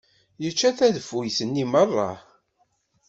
Yečča tadeffuyt-nni merra.